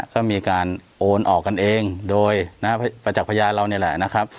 ก็มีการโอนออกกันเองโดยประจักษ์พยานเรานี่แหละนะครับ